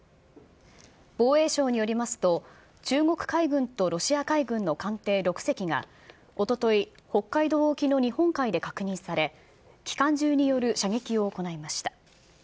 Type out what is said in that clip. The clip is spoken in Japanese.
防衛省によりますと、中国海軍とロシア海軍の艦艇６隻が、おととい、北海道沖の日本海で確認され、機関銃による射撃を行いました。